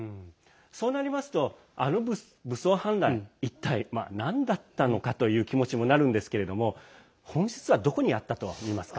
そうなりますと武装反乱一体なんだったのかという気持ちにもなるんですけれども本質はどこにあったとみますか？